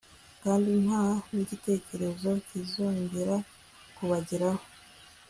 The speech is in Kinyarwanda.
kandi nta n'igitotezo kizongera kubageraho